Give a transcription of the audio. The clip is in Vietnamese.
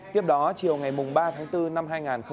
tiếp đó chiều ngày ba tháng bốn năm hai nghìn hai mươi